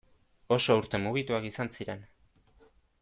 Oso urte mugituak izan ziren.